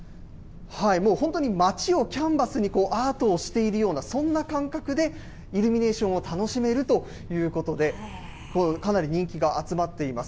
もう本当に街をキャンバスにアートをしているような、そんな感覚で、イルミネーションを楽しめるということで、かなり人気が集まっています。